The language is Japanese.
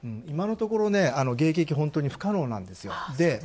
今のところ迎撃、本当に不可能なんですよ。